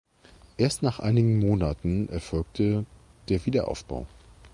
Erst nach einigen Monaten erfolgte der Wiederaufbau.